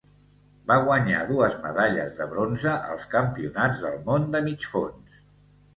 Va guanyar dues medalles de bronze als Campionats del món de Mig fons.